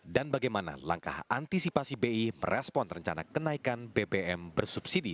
dan bagaimana langkah antisipasi bi merespon rencana kenaikan bbm bersubsidi